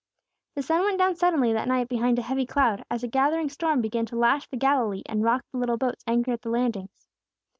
The sun went down suddenly that night behind a heavy cloud, as a gathering storm began to lash the Galilee and rock the little boats anchored at the landings.